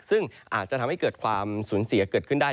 ซึ่งอาจจะทำให้เกิดความสูญเสียเกิดขึ้นได้